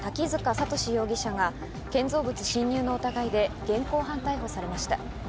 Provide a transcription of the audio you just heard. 電気工事士の滝塚智容疑者が建造物侵入の疑いで現行犯逮捕されました。